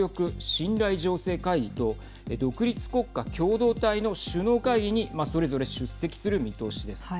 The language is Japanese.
信頼醸成会議と独立国家共同体の首脳会議にそれぞれ出席する見通しです。